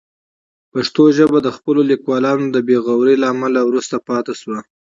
پښتو ژبه د خپلو لیکوالانو د بې غورۍ له امله وروسته پاتې شوې.